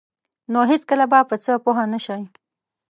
نو هیڅکله به په څه پوه نشئ.